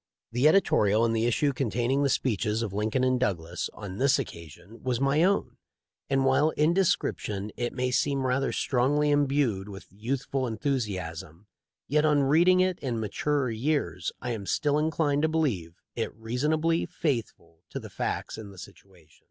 The editorial in the issue containing the 368 THE LIFE 0F LINCOLN. speeches of Lincoln and Douglas on this occasion was my own, and while in description it may seem rather strongly imbued with youthful enthusiasm, yet on reading it in maturer years I am still inclined to believe it reasonably faithful to the facts and the situation.